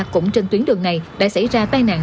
cũng trên tuyến đường này đã xảy ra tai nạn